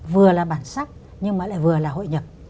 vừa là bản sắc nhưng mà lại vừa là hội nhập